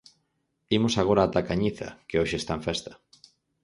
Imos agora ata A Cañiza, que hoxe está en festa.